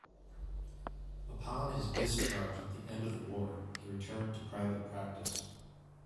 Upon his discharge at the end of the war, he returned to private practice.